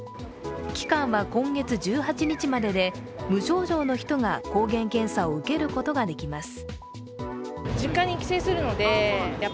期間は今月１８日までで無症状の人が抗原検査を受けることができます。